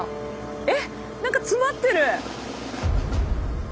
えっなんか詰まってる。